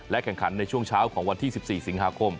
แข่งขันในช่วงเช้าของวันที่๑๔สิงหาคม